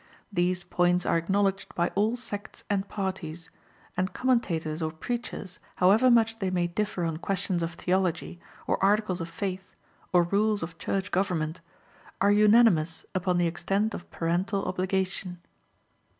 These points are acknowledged by all sects and parties; and commentators or preachers, however much they may differ on questions of theology, or articles of faith, or rules of Church government, are unanimous upon the extent of parental obligation.